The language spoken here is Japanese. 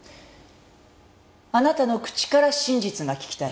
「あなたの口から真実が聞きたい」